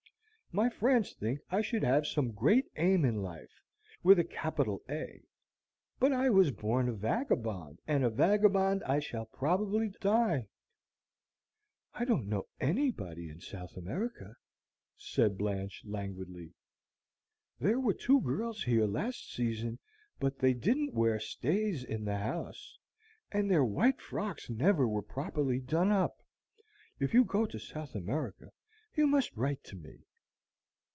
My friends think I should have some great aim in life, with a capital A. But I was born a vagabond, and a vagabond I shall probably die." "I don't know anybody in South America," said Blanche, languidly. "There were two girls here last season, but they didn't wear stays in the house, and their white frocks never were properly done up. If you go to South America, you must write to me."